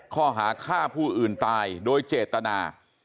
ข้อหาฆ่าผู้อื่นตายโดยเจตนา